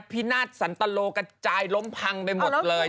พินาศสันตโลกระจายล้มพังไปหมดเลย